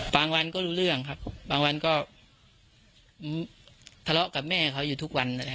วันก็รู้เรื่องครับบางวันก็ทะเลาะกับแม่เขาอยู่ทุกวันเลย